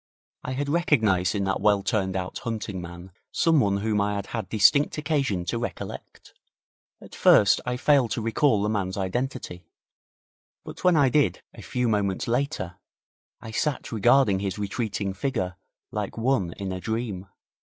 I had recognized in that well turned out hunting man someone whom I had had distinct occasion to recollect. At first I failed to recall the man's identity, but when I did, a few moments later, I sat regarding his retreating figure like one in a dream.